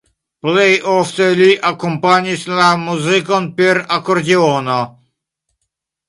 Plej ofte li akompanis la muzikon per akordiono.